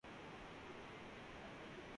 گی‘ لیکن بڑی خوبی وہی ہیلی کاپٹر والی تھی۔